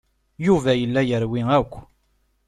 Yuba yella yerwi akk.